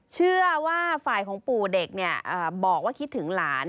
เชื่อว่าฝ่ายของปู่เด็กบอกว่าคิดถึงหลาน